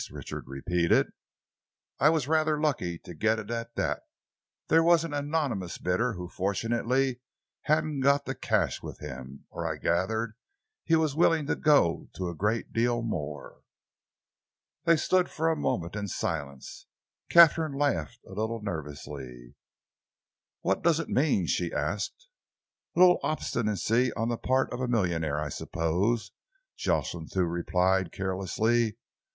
Richard repeated. "I was rather lucky to get it at that. There was an anonymous bidder who fortunately hadn't got the cash with him, or I gathered that he was willing to go to a great deal more." They stood for a moment in silence. Katharine laughed a little nervously. "What does it mean?" she asked. "A little obstinacy on the part of a millionaire, I suppose," Jocelyn Thew replied carelessly.